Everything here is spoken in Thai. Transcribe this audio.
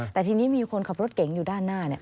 แต่ทีนี้มีคนขับรถเก๋งอยู่ด้านหน้าเนี่ย